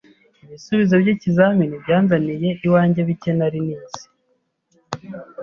Ibisubizo by'ikizamini byanzaniye iwanjye bike nari nize.